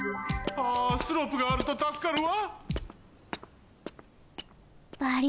ああスロープがあるとたすかるわ！